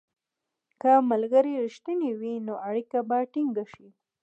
که ملګري رښتیني وي، نو اړیکه به ټینګه شي.